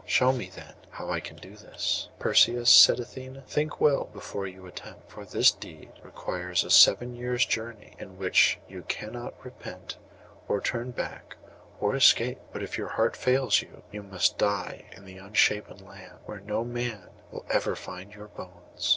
Show me, then, how I can do this!' 'Perseus,' said Athené, 'think well before you attempt; for this deed requires a seven years' journey, in which you cannot repent or turn back nor escape; but if your heart fails you, you must die in the Unshapen Land, where no man will ever find your bones.